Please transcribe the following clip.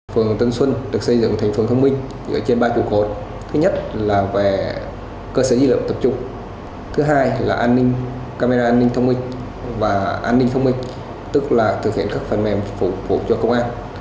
phường tân xuân được xây dựng thành phường thông minh ở trên ba chủ cột thứ nhất là về cơ sở di lợi tập trung thứ hai là camera an ninh thông minh và an ninh thông minh tức là thực hiện các phần mềm phụ cho công an